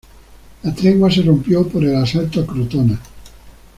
La tregua se rompió por el asalto a Crotona.